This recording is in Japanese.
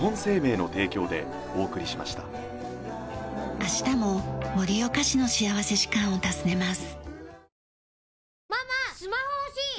明日も盛岡市の幸福時間を訪ねます。